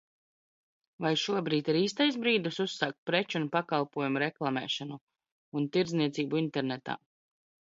Vai šobrīd ir īstais brīdis uzsākt preču un pakalpojumu reklamēšanu, un tirdzniecību internetā?